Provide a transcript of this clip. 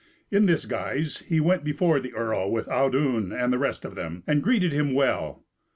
In this guise he went before the earl with Audun and the rest of them, and greeted him well.